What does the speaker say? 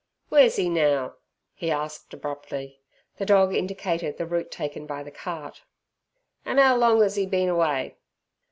"W'ere's 'e now?" he asked abruptly. The dog indicated the route taken by the cart. "An' 'ow long as 'e bin away?"